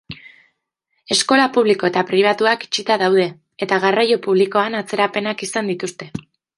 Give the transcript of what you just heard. Eskola publiko eta pribatuak itxita daude, eta garraio publikoan atzerapenak izan dituzte.